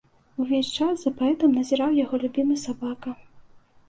Увесь час за паэтам назіраў яго любімы сабака.